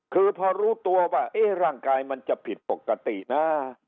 คือพอรู้ตัวว่าร่างกายมันจะผิดปกตินะ